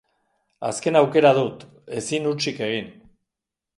Azken aukera dut, ezin hutsik egin.